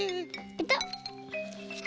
ペタッ。